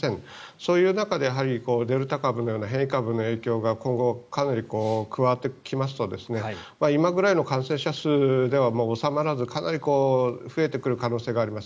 そういう中でデルタ株のような変異株の影響が今後、かなり加わってきますと今ぐらいの感染者数ではもう収まらずかなり増えてくる可能性があります。